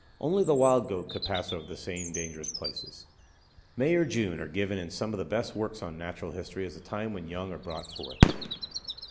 Only the Wild Goat could pass over the same dangerous places. May or June are given in some of the best works on natural history as the time when the young are brought forth.